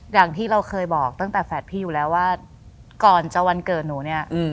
อย่างที่เราเคยบอกตั้งแต่แฝดพี่อยู่แล้วว่าก่อนจะวันเกิดหนูเนี่ย